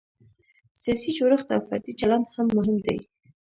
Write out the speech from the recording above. سیاسي جوړښت او فردي چلند هم مهم دی.